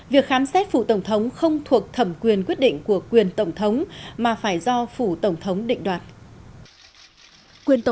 việc khám xét phủ tổng thống không thuộc thẩm quyền quyết định của quyền tổng thống mà phải do phủ tổng thống định đoạt